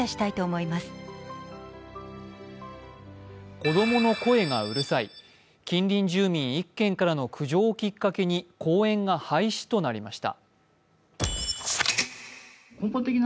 子供の声がうるさい近隣住民１軒からの苦情をきっかけに公園が廃止となりました。